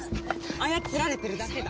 操られてるだけだ。